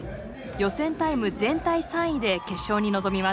予選タイム全体３位で決勝に臨みます。